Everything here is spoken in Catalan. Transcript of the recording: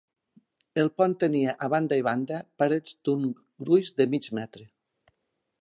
El pont tenia a banda i banda parets d'un gruix de mig metre.